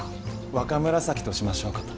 若紫としましょうかと。